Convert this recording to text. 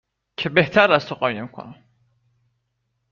که بهتر از تو قایم کنم